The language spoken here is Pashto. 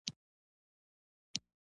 هغه له دې امله خپګان ښودلی وو.